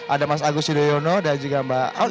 ada mas agus sudoyono dan juga mbak alia